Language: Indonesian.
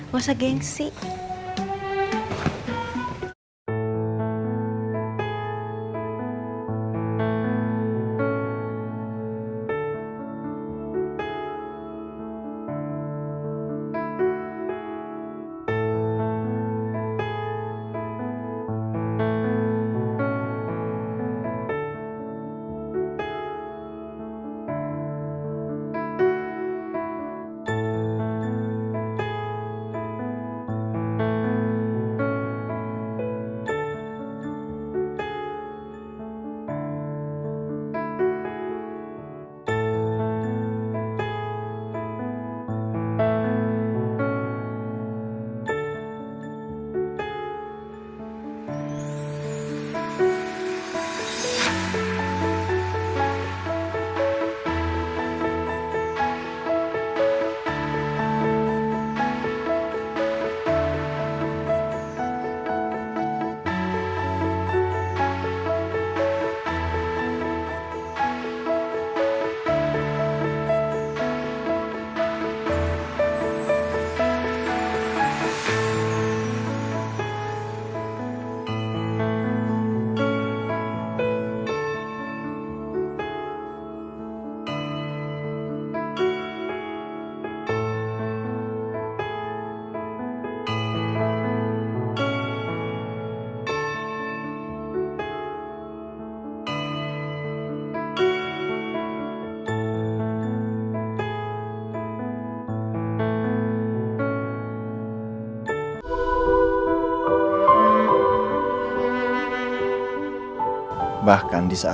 gak usah gengsi